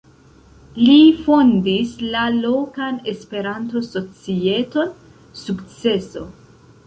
Li fondis la lokan Esperanto-societon "Sukceso".